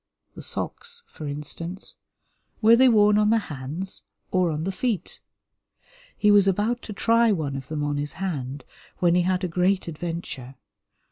The socks, for instance, were they worn on the hands or on the feet? He was about to try one of them on his hand, when he had a great adventure.